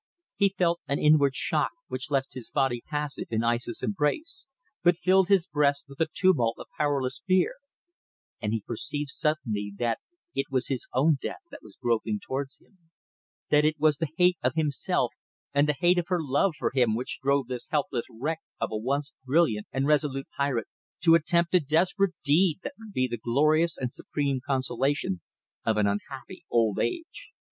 He felt an inward shock, which left his body passive in Aissa's embrace, but filled his breast with a tumult of powerless fear; and he perceived suddenly that it was his own death that was groping towards him; that it was the hate of himself and the hate of her love for him which drove this helpless wreck of a once brilliant and resolute pirate, to attempt a desperate deed that would be the glorious and supreme consolation of an unhappy old age.